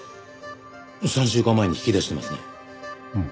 ３週間前に引き出してますね。